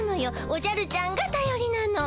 おじゃるちゃんがたよりなの。